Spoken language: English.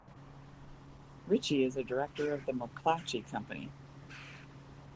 Ritchey is a director of The McClatchy Company.